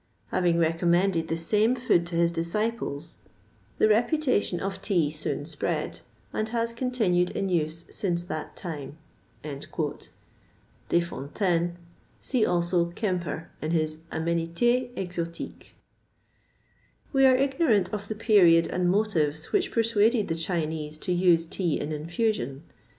Having recommended the same food to his disciples, the reputation of tea soon spread, and has continued in use since that time." DESFONTAINES. See, also, KŒMPFER, in his "Aménités Exotiques." We are ignorant of the period and motives which persuaded the Chinese to use tea in infusion.